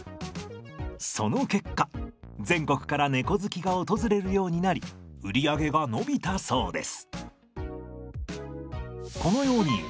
その結果全国から猫好きが訪れるようになり売り上げが伸びたそうです。